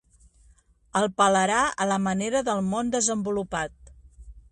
El pelarà a la manera del món desenvolupat.